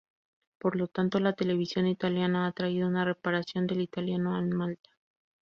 Por lo tanto, la televisión italiana ha traído una reaparición del italiano en Malta.